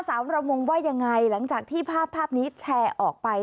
สาวระมงว่ายังไงหลังจากที่ภาพนี้แชร์ออกไป